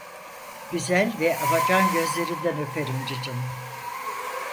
Güzel ve afacan gözlerinden öperim cicim…